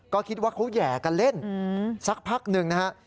ก็คิดว่าเขาแห่กันเล่นสักพักหนึ่งนะฮะ